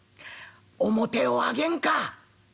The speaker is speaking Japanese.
面を上げんか！」。